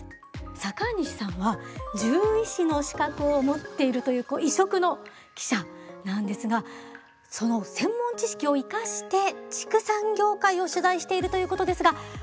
坂西さんは獣医師の資格を持っているという異色の記者なんですがその専門知識を生かして畜産業界を取材しているということですが今回は？